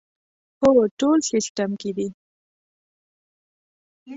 هو، ټول سیسټم کې دي